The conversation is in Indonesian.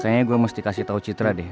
sayangnya gue mesti kasih tau citra deh